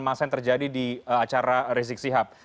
masa yang terjadi di acara rizik sihab